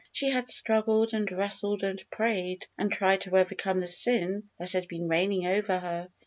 She had struggled and wrestled and prayed, and tried to overcome the sin that had been reigning over her.